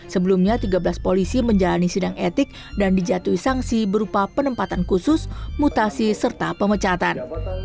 sebelumnya tiga belas polisi menjalani sidang etik dan dijatuhi sanksi berupa penempatan khusus mutasi serta pemecatan